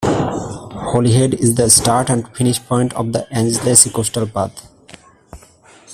Holyhead is the start and finish point of the Anglesey Coastal Path.